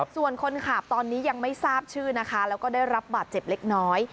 ส่วนคนขับตอนนี้ยังไม่ทราบชื่อนะคะแล้วก็ได้รับบาดเจ็บเล็กน้อย